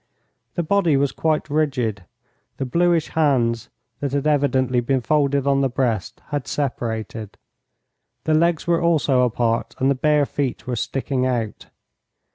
The body was quite rigid; the bluish hands, that had evidently been folded on the breast, had separated; the legs were also apart and the bare feet were sticking out.